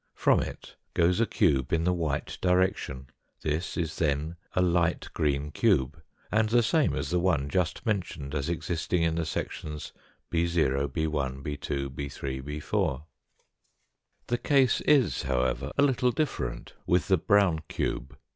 From it goes a cube in the white direction, this is then a light green cube and the same as the one just mentioned as existing in the sections 6 , 61, & 2 > &3> b t . The case is, however, a little different with the brown cube.